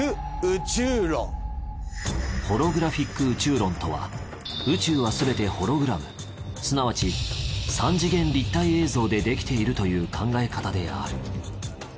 ホログラフィック宇宙論とは宇宙はすべてホログラムすなわち三次元立体映像でできているという考え方である。